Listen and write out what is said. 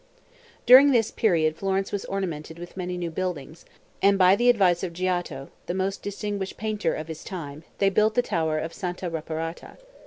During this period Florence was ornamented with many new buildings, and by the advice of Giotto, the most distinguished painter of his time, they built the tower of Santa Reparata.